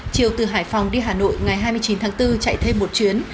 chiều từ hải phòng đi hà nội ngày hai mươi chín tháng bốn chạy thêm một chuyến